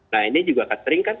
nah ini juga catering kan